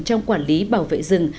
trong quản lý bảo vệ rừng